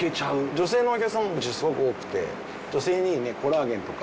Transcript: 女性のお客さんもうちすごく多くて女性にいいコラーゲンとか。